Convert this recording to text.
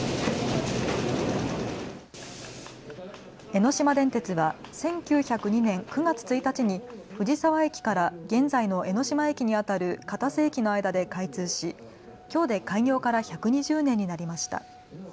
江ノ島電鉄は１９０２年９月１日に藤沢駅から現在の江ノ島駅にあたる片瀬駅の間で開通しきょうで開業から１２０年になりました。